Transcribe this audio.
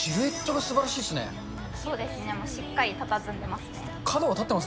そうですね、しっかりたたずんでますね。